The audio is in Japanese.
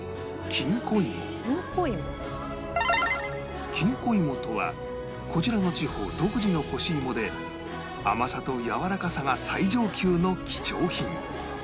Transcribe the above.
きんこ芋とはこちらの地方独自の干し芋で甘さとやわらかさが最上級の貴重品